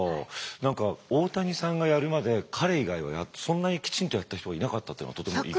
何か大谷さんがやるまで彼以外はそんなにきちんとやった人がいなかったというのがとても意外で。